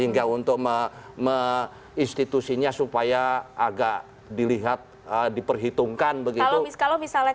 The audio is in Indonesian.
hingga untuk me institusinya supaya agak dilihat diperhitungkan begitu kalau misalnya